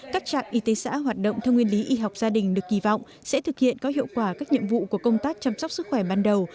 các trạm y tế xã hoạt động theo nguyên lý y học gia đình được kỳ vọng sẽ thực hiện có hiệu quả các nhiệm vụ của công tác chăm sóc sức khỏe ban đầu